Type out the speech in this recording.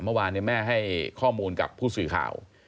เมื่อวานแม่ให้ข้อมูลกับผู้สื่อข่าว